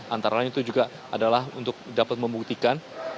antara lain itu juga adalah untuk dapat membuktikan